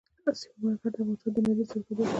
سلیمان غر د افغانستان د انرژۍ سکتور برخه ده.